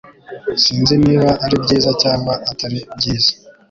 Sinzi niba ari byiza cyangwa atari byiza